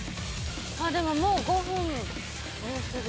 でももう５分もうすぐ。